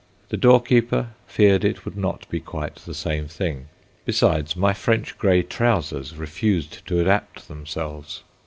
The doorkeeper feared it would not be quite the same thing. Besides, my French grey trousers refused to adapt themselves.